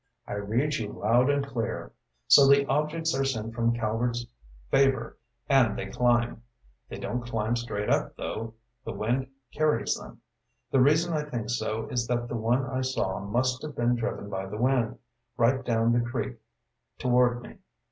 "I read you loud and clear. So the objects are sent from Calvert's Favor, and they climb. They don't climb straight up, though. The wind carries them. The reason I think so is that the one I saw must have been driven by the wind, right down the creek toward me.